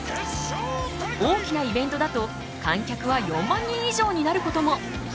大きなイベントだと観客は４万人以上になることも！